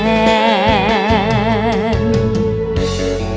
เพลง